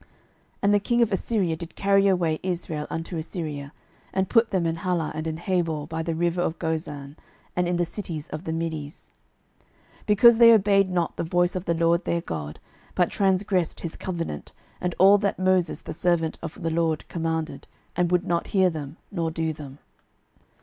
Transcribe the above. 12:018:011 And the king of Assyria did carry away Israel unto Assyria, and put them in Halah and in Habor by the river of Gozan, and in the cities of the Medes: 12:018:012 Because they obeyed not the voice of the LORD their God, but transgressed his covenant, and all that Moses the servant of the LORD commanded, and would not hear them, nor do them.